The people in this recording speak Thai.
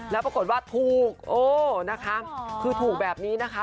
แล้วปรากฏว่าถูกโอ้นะคะคือถูกแบบนี้นะคะ